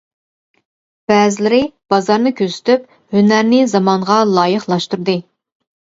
بەزىلىرى بازارنى كۆزىتىپ، ھۈنەرنى زامانغا لايىقلاشتۇردى.